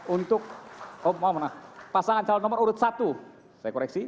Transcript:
untuk mohon maaf pasangan calon nomor urut satu saya koreksi